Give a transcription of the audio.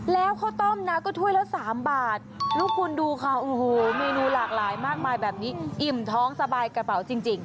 แล้วข้าวต้มนะก็ถ้วยละ๓บาทลูกคุณดูค่ะโอ้โหเมนูหลากหลายมากมายแบบนี้อิ่มท้องสบายกระเป๋าจริง